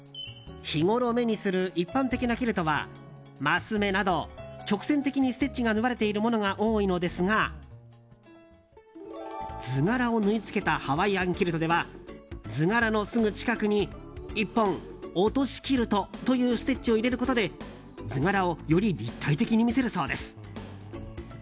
日ごろ目にする一般的なキルトはマス目など直線的にステッチが縫われていることが多いのですが図柄を縫い付けたハワイアンキルトでは図柄のすぐ近くに１本落としキルトというステッチを入れることで図柄をより立体的に見せるそうです。